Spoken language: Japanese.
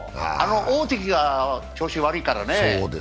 大関が調子が悪いからね。